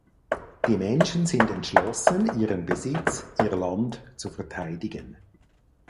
Die Menschen sind entschlossen, ihren Besitz, ihr Land zu verteidigen.